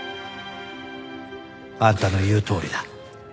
あんたの言うとおりだ。